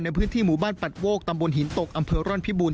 ในพื้นที่หมู่บ้านปัดโวกตำบลหินตกอำเภอร่อนพิบูร